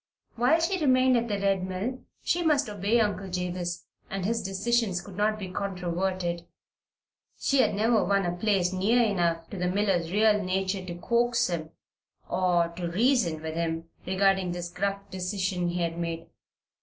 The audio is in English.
While she remained at the Red Mill she must obey Uncle Jabez, and his decisions could not be controverted. She had never won a place near enough to the miller's real nature to coax him, or to reason with him regarding this gruff decision he had made.